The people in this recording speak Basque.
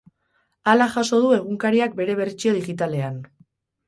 Hala jaso du egunkariak bere bertsio digitalean.